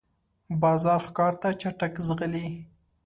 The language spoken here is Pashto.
باز ښکار ته چټک ځغلي